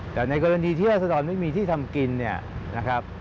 แต่ในกรณีที่ราชดรไม่มีที่ทำกิน